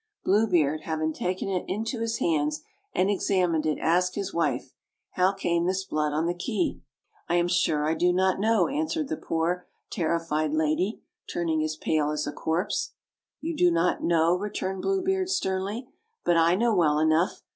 Bine Beard, having taken it into his hands and examined it, asked his wife, "How came this blood on the key?" ' I am sure I do not know," answered the poor terri fied lady, turning as pale as a corpse. "You do not know!" returned Blue Beard sternly; "but I know well enough.